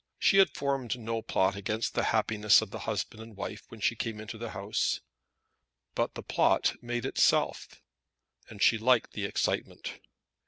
She had formed no plot against the happiness of the husband and wife when she came into the house; but the plot made itself, and she liked the excitement.